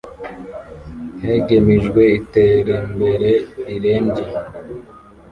hegemijwe iterembere rirembye